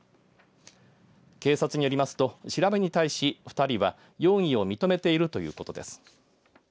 警察によりますと調べに対し、２人は容疑を認めているということです。